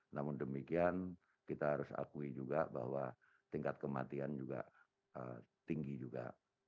namun demikian kita harus akui juga bahwa tingkat kematian juga tinggi juga